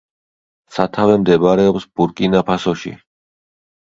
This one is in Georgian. სათავე მდებარეობს ბურკინა-ფასოში.